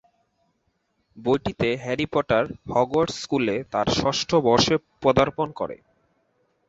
বইটিতে Harry Potter Hogwarts স্কুলে তার ষষ্ঠ বর্ষে পদার্পণ করে।